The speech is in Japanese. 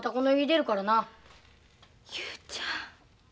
雄ちゃん。